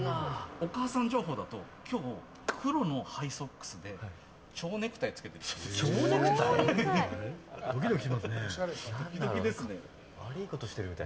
お母さん情報だと黒のハイソックスで蝶ネクタイ着けてるらしい。